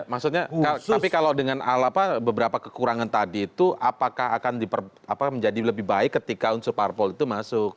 maksudnya tapi kalau dengan beberapa kekurangan tadi itu apakah akan menjadi lebih baik ketika unsur parpol itu masuk